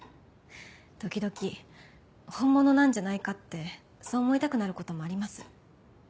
時々本物なんじゃないかってそう思いたくなることもあります。